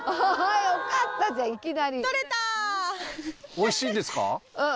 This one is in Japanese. おいしいんですか？